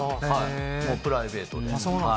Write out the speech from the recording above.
もうプライベートで。